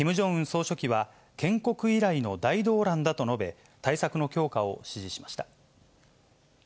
総書記は、建国以来の大動乱だと述べ、対策の強化を指示しました。